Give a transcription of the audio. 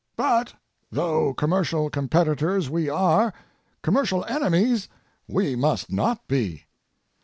But though commercial competitors we are, commercial enemies we must not be.